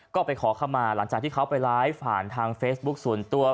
ก็ไปขอคำมาหลังจากที่เขาไปไลฟ์ผ่านทางเฟซบุ๊คส่วนตัว